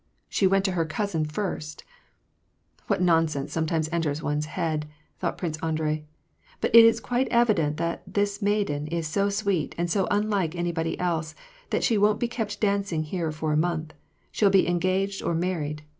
She went to her cotisin first !What nonsense sometimes enters one's head I " thought Prince Andrei. <' But it is quite evident that this maiden is so sweet, and so unlike anybody else, that she won't be kept dancing here for a month: she'll be engaged or married.